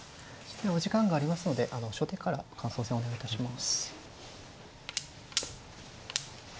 お時間がありますので初手から感想戦お願いいたします。